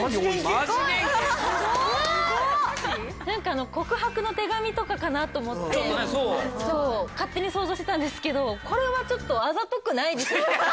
なんか告白の手紙とかかなと思って勝手に想像してたんですけどこれはちょっとあざとくないですよね。